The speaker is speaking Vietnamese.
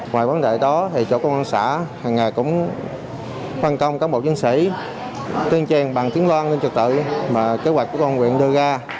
ngoài vấn đề đó chủ công an xã hằng ngày cũng phân công các bộ chứng sĩ tiến truyền bằng tiếng loan lên trực tự mà kế hoạch của công an huyện đưa ra